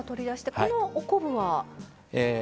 このお昆布は？